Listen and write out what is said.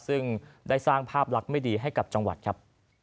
ซึ่งได้สร้างภาพลักษณ์ไม่ดีให้กับจังหวัดครับ